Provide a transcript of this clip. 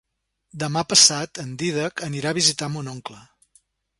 Demà passat en Dídac anirà a visitar mon oncle.